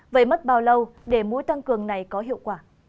vậy mất bao lâu để mũi tăng cường này có hiệu quả